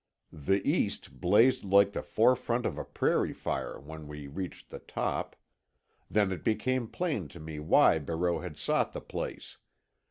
The east blazed like the forefront of a prairie fire when we reached the top. Then it became plain to me why Barreau had sought the place.